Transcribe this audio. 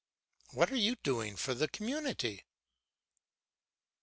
What are you doing for the community?"